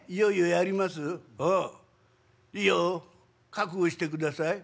「覚悟してください」。